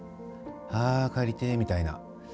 あー帰りてーみたいな。